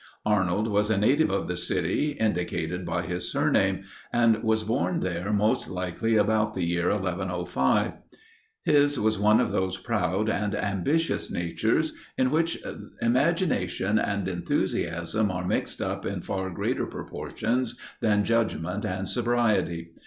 Arnold was a native of the city, indicated by his surname, and was born there most likely about the year 1105. His was one of those proud and ambitious natures, in which imagination and enthusiasm are mixed up in far greater proportions, than judgment and sobriety.